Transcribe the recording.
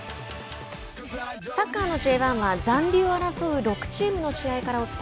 サッカーのＪ１は残留を争う６チームの試合から。